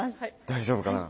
大丈夫かな？